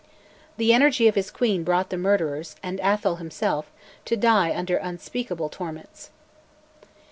The energy of his Queen brought the murderers, and Atholl himself, to die under unspeakable torments.